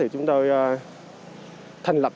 chúng tôi thành lập